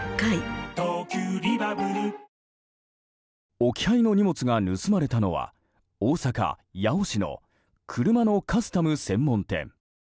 置き配の荷物が盗まれたのは大阪・八尾市の車のカスタム専門店。